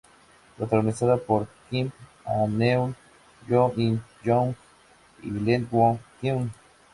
Protagonizada por Kim Ha-neul, Yoo In-young y Lee Won-keun.